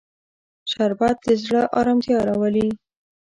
شربت د زړه ارامتیا راولي